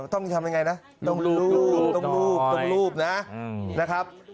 ต้องทำยังไงนะต้องรูปต้องรูปนะครับ